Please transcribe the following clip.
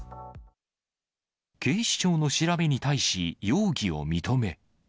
警視庁の調べに対し、容疑を認め。